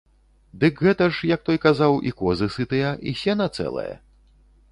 Дык гэта ж, як той казаў, і козы сытыя, і сена цэлае.